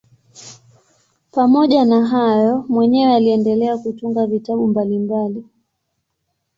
Pamoja na hayo mwenyewe aliendelea kutunga vitabu mbalimbali.